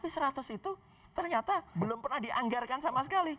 tapi seratus itu ternyata belum pernah dianggarkan sama sekali